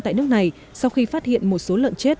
tại nước này sau khi phát hiện một số lợn chết